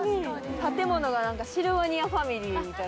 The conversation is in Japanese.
建物が何かシルバニアファミリーみたいで。